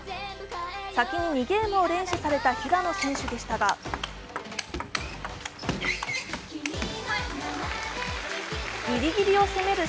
先に２ゲームを連取された平野選手でしたがギリギリを攻める